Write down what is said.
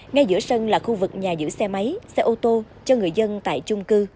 ngay giữa sân là khu vực nhà giữ xe máy xe ô tô cho người dân tại chung cư